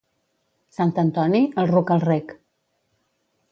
Sant Antoni, el ruc al rec.